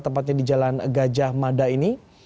tepatnya di jalan gajah mada ini